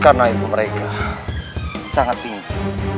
karena ilmu mereka sangat tinggi